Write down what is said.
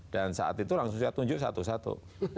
dan saat itu langsung saya tunjuk satu satu